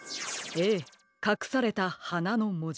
ええかくされた「はな」のもじ。